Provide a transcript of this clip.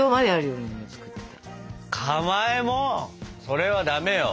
それはダメよ。